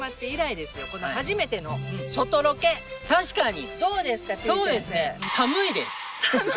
確かに。